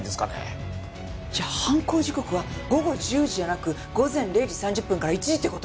じゃあ犯行時刻は午後１０時じゃなく午前０時３０分から１時って事？